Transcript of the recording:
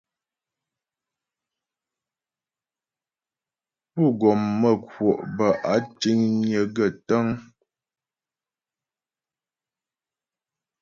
Pú́ gɔm mə́ kwɔ' bə́ áa tíŋnyə̌ gaə́ tə́ŋ.